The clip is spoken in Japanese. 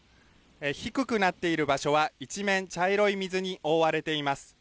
低くなっている場所は一面、茶色い水に覆われています。